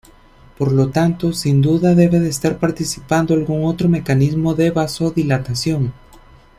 Por lo tanto, sin duda debe estar participando algún otro mecanismo de vasodilatación.